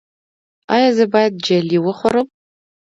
ایا زه باید جیلې وخورم؟